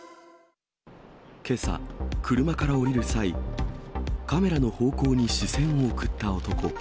けさ、車から降りる際、カメラの方向に視線を送った男。